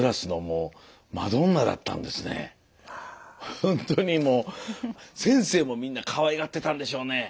ほんとにもう先生もみんなかわいがってたんでしょうね。